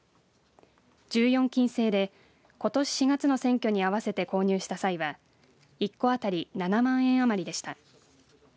１４金製でことし４月の選挙に合わせて購入した際は１個当たり７万円余りでした。